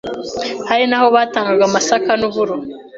Hari n’aho batangaga amasaka n’uburo.